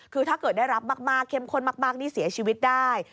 คือถ้าเกิดได้รับมากเข้มข้นมากนี่เสียชีวิตได้